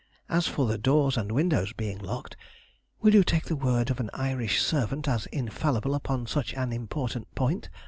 As for the doors and windows being locked, will you take the word of an Irish servant as infallible upon such an important point?